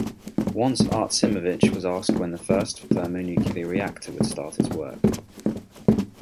Once Artsimovich was asked when the first thermonuclear reactor would start its work.